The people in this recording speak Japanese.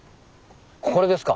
これですか。